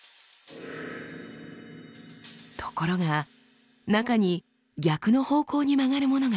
ところが中に逆の方向に曲がるものが。